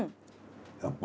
やっぱ。